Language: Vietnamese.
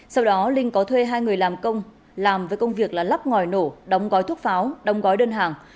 sau đó linh có thuê hai người làm công làm với công việc là lắp ngòi nổ đóng gói thuốc pháo đóng gói đơn hàng